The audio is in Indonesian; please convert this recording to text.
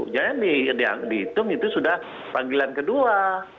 jangan dihitung itu sudah panggilan kedua